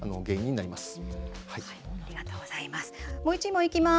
ありがとうございます。